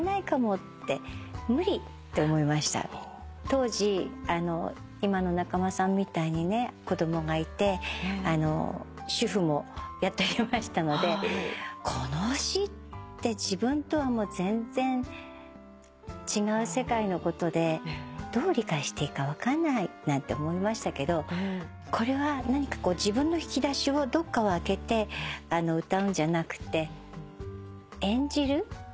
当時今の仲間さんみたいにね子供がいて主婦もやっておりましたのでこの詞って自分とは全然違う世界のことでどう理解していいか分かんないなんて思いましたけどこれは何か自分の引き出しをどっかを開けて歌うんじゃなくて演じる。